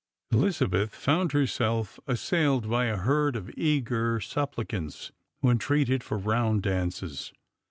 Elizabeth found herself assailed by ii herd of eager suppli cants, who entreated for round dances.